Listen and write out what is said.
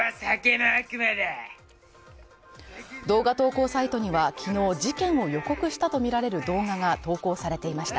動画投稿サイトには昨日の事件を予告したとみられる動画が投稿されていました。